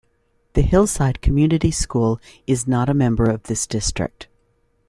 The Hillside Community School is not a member of this district.